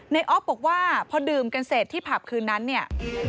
ออฟบอกว่าพอดื่มกันเสร็จที่ผับคืนนั้นเนี่ย